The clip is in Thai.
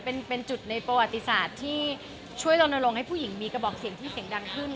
เป็นจุดในประวัติศาสตร์ที่ช่วยลนลงให้ผู้หญิงมีกระบอกเสียงที่เสียงดังขึ้น